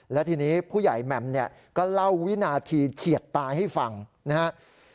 และทีนี้ผู้ใหญ่แหม่มเนี่ยก็เล่าวินาทีเฉียดตายให้ฟังนะครับ